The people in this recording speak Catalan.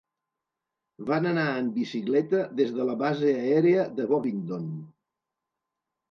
Van anar en bicicleta des de la base aèria de Bovingdon.